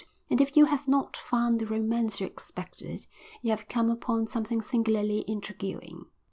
And if you have not found the romance you expected you have come upon something singularly intriguing.